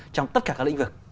trong tất cả các lĩnh vực